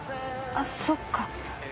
あそっか。